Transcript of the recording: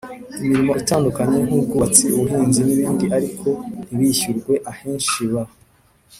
imirimo itandukanye nk ubwubatsi ubuhinzi n ibindi ariko ntibishyurwe Ahenshi ba